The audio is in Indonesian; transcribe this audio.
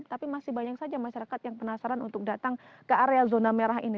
tapi masih banyak saja masyarakat yang penasaran untuk datang ke area zona merah ini